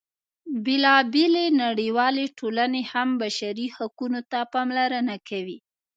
بېلا بېلې نړیوالې ټولنې هم بشري حقونو ته پاملرنه کوي.